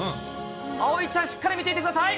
葵ちゃん、しっかり見ていてください。